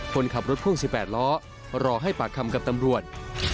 คนขับรถพ่วง๑๘ล้อรอให้ปากคำกับตำรวจ